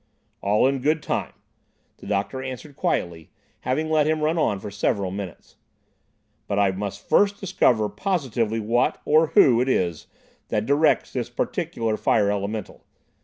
"All in good time," the doctor answered quietly, having let him run on for several minutes. "But I must first discover positively what, or who, it is that directs this particular fire elemental.